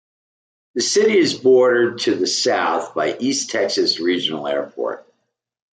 The city is bordered to the south by East Texas Regional Airport.